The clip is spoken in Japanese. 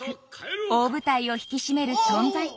大舞台を引き締める存在感。